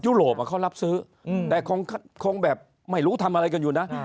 โรปเขารับซื้อแต่คงแบบไม่รู้ทำอะไรกันอยู่นะ